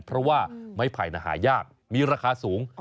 เพราะว่าไม้ไผ่นหายากมีราคาสูง